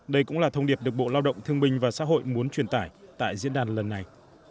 đây cũng là thông điệp được bộ lao động thương minh và xã hội muốn truyền tải tại diễn đàn lần này